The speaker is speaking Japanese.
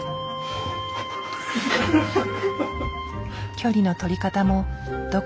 距離の取り方もどこか今どき。